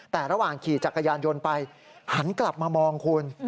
แต่ระหว่างขี่จักรยานยนต์ไปหันกลับมามองคุณ